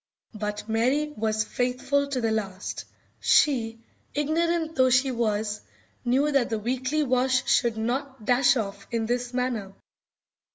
But Mary was faithful to the last. She ignorant though she was knew that the weekly wash should not dash off in this manner.